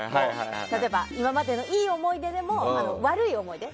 例えば今までのいい思い出も悪い思い出。